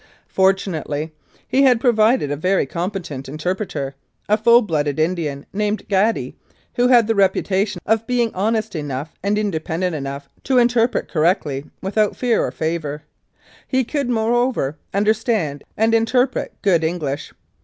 Fortunately he had provided a very competent interpreter, a full blooded Indian, named Gaddy, who had the reputation of being honest enough and independent enough to interpret correctly without fear or favour. He could, moreover, understand and interpret good English.